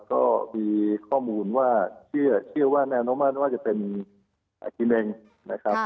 ก็มีข้อมูลว่าเชื่อว่านายอนุมาตรว่าจะเป็นกิเล็งนะครับ